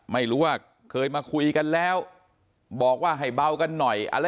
ไม่เคยมาคุยกันแล้วบอกว่าให้เบากันหน่อย